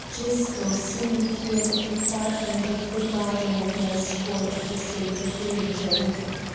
Gisco soon appeared at the far end of the garden with an escort of the Sacred Legion.